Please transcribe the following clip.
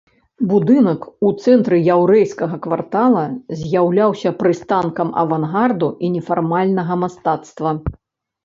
Будынак у цэнтры яўрэйскага квартала з'яўляўся прыстанкам авангарду і нефармальнага мастацтва.